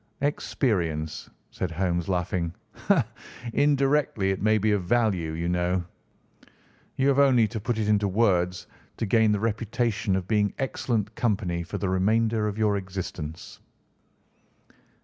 "Experience," said Holmes, laughing. "Indirectly it may be of value, you know; you have only to put it into words to gain the reputation of being excellent company for the remainder of your existence."